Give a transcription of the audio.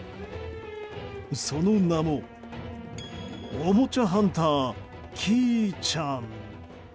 その名も、おもちゃハンターきぃちゃん。